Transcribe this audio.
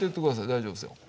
大丈夫ですよ。